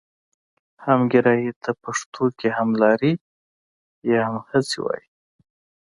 همګرایي ته پښتو کې هملاري یا همهڅي وايي.